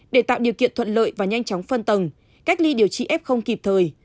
để tạo điều kiện thuận lợi và nhanh chóng phân tầng cách ly điều trị f kịp thời